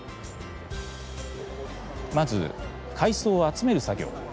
まず海藻を集める作業。